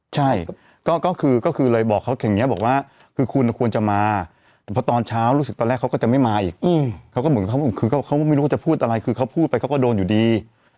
ใช่ก็คือเลยบอกเขาอย่างนี้บอกว่าคือคุณควรจะมาเพราะตอนเช้ารู้สึกตอนแรกเขาก็จะไม่มาอีกเขาก็เหมือนเขาคือเขาก็ไม่รู้เขาจะพูดอะไรคือเขาพูดไปเขาก็โดนอยู่ดี